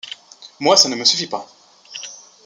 Moi, ça ne me suffit pas.